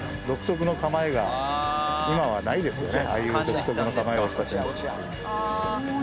今はないですよねああいう独特の構えをした選手。